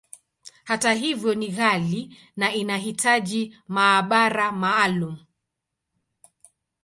Hata hivyo, ni ghali, na inahitaji maabara maalumu.